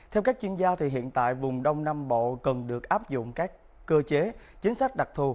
theo các chuyên gia hiện tại vùng đông nam bộ cần được áp dụng các cơ chế chính sách đặc thù